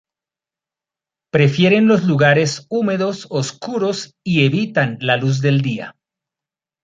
Prefieren los lugares húmedos, oscuros y evitan la luz del día.